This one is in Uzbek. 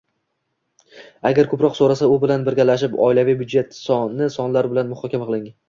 Agar ko‘proq so‘rasa, u bilan birgalashib oilaviy byudjetni sonlar bilan muhokama qiling.